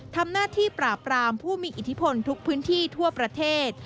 ทำหน้าที่ปราบรามผู้มีอิทธิพลทุกพื้นที่ทั่วประเทศ